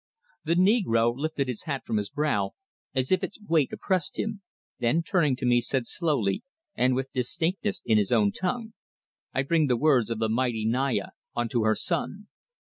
The negro lifted his hat from his brow as if its weight oppressed him, then turning to me, said slowly and with distinctness in his own tongue: "I bring the words of the mighty Naya unto her son.